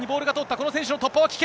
この選手の突破は危険。